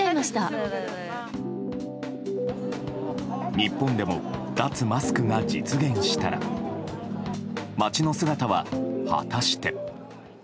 日本でも脱マスクが実現したら街の姿は果たして。